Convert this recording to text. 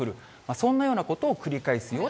そんなようなことを繰り返すような。